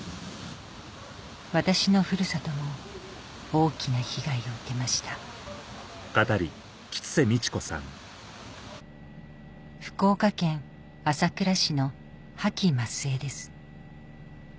私のふるさとも大きな被害を受けました福岡県朝倉市の杷木松末です